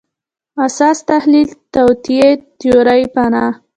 اسان تحلیل توطیې تیوري پناه